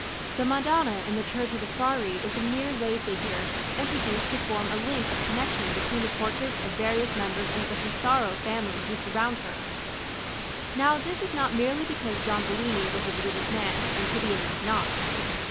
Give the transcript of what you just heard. The Madonna in the church of the Frari is a mere lay figure, introduced to form a link of connexion between the portraits of various members of the Pesaro family who surround her. Now this is not merely because John Bellini was a religious man and Titian was not.